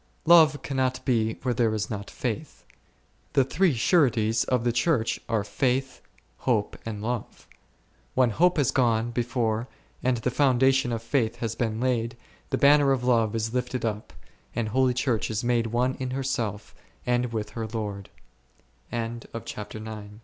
Love cannot be where there is not faith ; the three sureties of the Church are faith, hope, and love ; when hope has gone before and the foundation of faith has been laid, the banner of love is lifted up, and holy Church is made one in herself and with he